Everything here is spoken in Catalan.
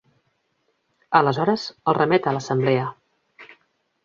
Aleshores, el remet a l'Assemblea.